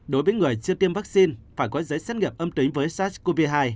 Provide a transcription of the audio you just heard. đối với người chưa tiêm vaccine phải có giấy xét nghiệm âm tính với sars cov hai